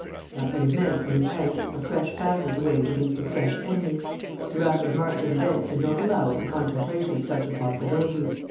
That would have meant, for Lupin, a fresh battle to wage against a fresh enemy. The rapid march of events did not allow of the contemplation of such a possibility.